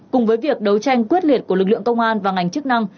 cùng với việc đấu tranh quyết liệt của lực lượng công an và ngành chức năng